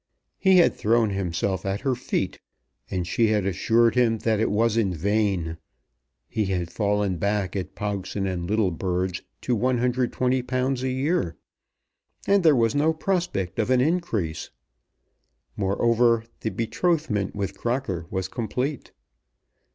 He had thrown himself at her feet, and she had assured him that it was in vain. He had fallen back at Pogson and Littlebird's to £120 a year, and there was no prospect of an increase. Moreover the betrothment with Crocker was complete.